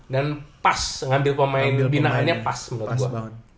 dan pas ngambil pemain binaannya pas menurut gue